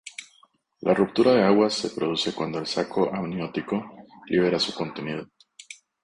La ruptura de aguas se produce cuando el saco amniótico libera su contenido.